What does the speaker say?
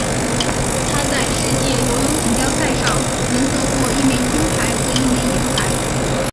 他在世界游泳锦标赛上赢得过一枚金牌和一枚银牌。